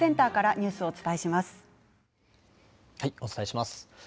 お伝えします。